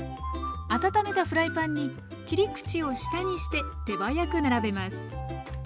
温めたフライパンに切り口を下にして手早く並べます。